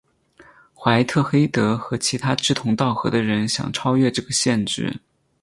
怀特黑德和其他志同道合的人想超越这个限制。